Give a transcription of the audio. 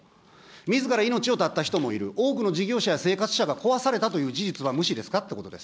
みずから命を絶った人もいる、多くの事業者や生活者が壊されたという事実は無視ですかっていうことです。